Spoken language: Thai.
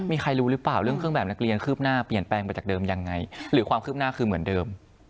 มีใครรู้หรือเปล่าเรื่องเครื่องแบบนักเรียนคืบหน้าเปลี่ยนแปลงไปจากเดิมยังไงหรือความคืบหน้าคือเหมือนเดิม